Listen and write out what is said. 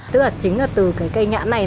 tức là chính là từ cây nhãn này